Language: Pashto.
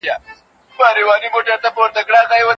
اسلام دا کار نه مني.